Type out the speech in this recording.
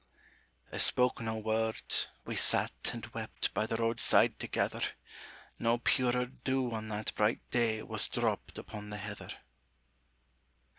I spoke no word: we sat and wept By the road side together; No purer dew on that bright day Was dropped upon the heather.